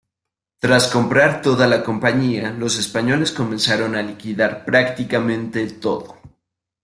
Tras comprar toda la compañía los españoles comenzaron a liquidar prácticamente todo.